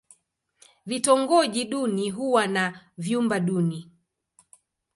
Vitongoji duni huwa na vyumba duni.